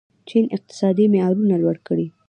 چین اقتصادي معیارونه لوړ کړي.